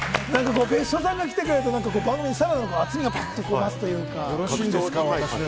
別所さんが来てくれると番組、さらなる厚みが増すというか。